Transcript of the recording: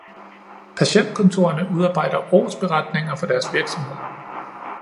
Patientkontorerne udarbejder årsberetninger for deres virksomhed